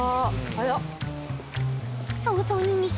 早っ。